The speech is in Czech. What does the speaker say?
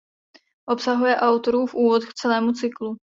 Obsahuje autorův úvod k celému cyklu.